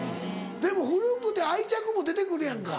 でも古くて愛着も出てくるやんか。